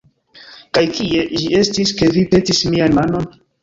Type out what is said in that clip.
Kaj kie ĝi estis, ke vi petis mian manon?